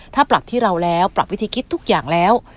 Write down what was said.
ถ้าปรับที่เราแล้วปรับวิธีคิดทุกอย่างแล้ว